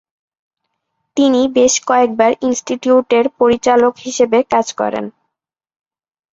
তিনি বেশ কয়েকবার ইনস্টিটিউটের পরিচালক হিসেবে কাজ করেন।